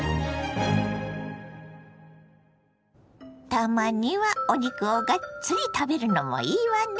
たまにはお肉をがっつり食べるのもいいわね。